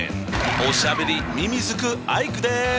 おしゃべりミミズクアイクです！